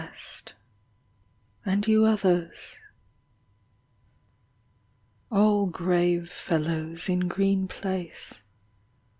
Rest. And you others ... All. Grave fellows in Green place.